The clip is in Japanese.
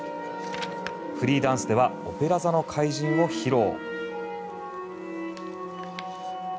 フリーダンスでは「オペラ座の怪人」を披露。